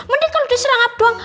mending kalau diserangap doang